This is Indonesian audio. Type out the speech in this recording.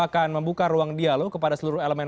akan membuka ruang dialog kepada seluruh elemen